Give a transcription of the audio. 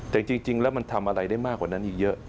แต่จริงแล้วมันทำอะไรได้มากกว่านั้นอีกเยอะ